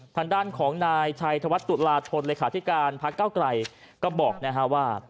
ทางด้านของนายชัยธวัฒนตุลาธนเลขาธิการพักเก้าไกลก็บอกนะฮะว่า